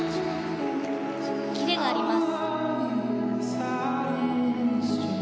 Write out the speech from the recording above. キレがあります。